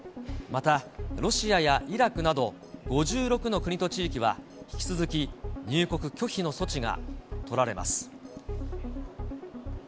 またロシアやイラクなど、５６の国と地域は、引き続き入国拒否の措置が取られます。